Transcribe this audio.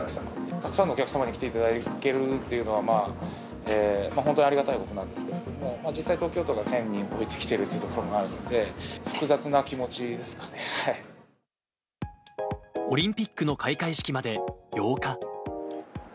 たくさんのお客様に来ていただけるっていうのはまあ、本当はありがたいことなんですけど、実際、東京都が１０００人を超えてきているということがあるんで、オリンピックの開会式まで８日。